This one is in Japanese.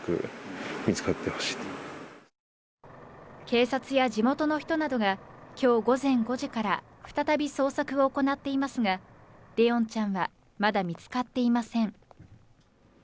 警察や地元の人などが今日午前５時から再び捜索を行っていますが怜音ちゃんはまだ見つかっていません。